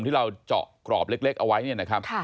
ที่เราเจาะกรอบเล็กเอาไว้เนี่ยนะครับ